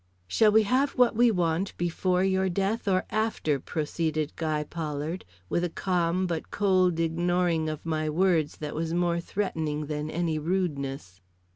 "Shall we have what we want before your death or after?" proceeded Guy Pollard, with a calm but cold ignoring of my words that was more threatening than any rudeness.